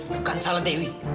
bukan salah dewi